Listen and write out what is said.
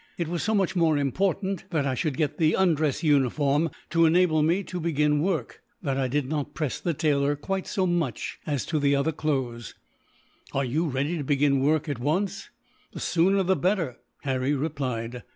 It was so much more important that I should get the undress uniform, to enable me to begin work, that I did not press the tailor quite so much as to the other clothes." "Are you ready to begin work, at once?" "The sooner the better," Harry replied.